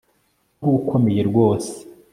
Wari ukomeye rwose